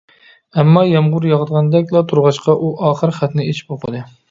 ئەمما، يامغۇر ياغىدىغاندەكلا تۇرغاچقا، ئۇ ئاخىر خەتنى ئېچىپ ئوقۇدى.